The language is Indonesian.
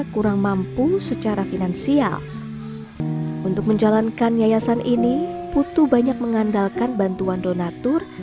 kurang mampu secara finansial untuk menjalankan yayasan ini putu banyak mengandalkan bantuan donatur